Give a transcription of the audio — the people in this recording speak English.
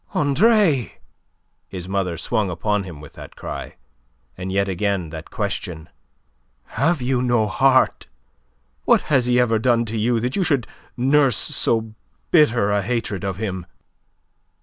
"Andre!" His mother swung upon him with that cry. And yet again that question. "Have you no heart? What has he ever done to you that you should nurse so bitter a hatred of him?"